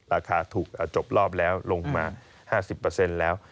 ราคาถูกจบรอบแล้วลงมา๕๐แล้ว